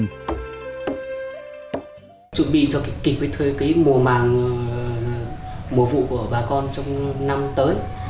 chuẩn bị cho kịch với mùa mạng mùa vụ của bà con trong năm tới